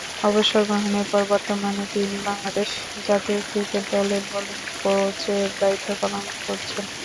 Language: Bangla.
অবসর গ্রহণের পর বর্তমানে তিনি বাংলাদেশ জাতীয় ক্রিকেট দলের বোলিং কোচের দায়িত্ব পালন করছেন।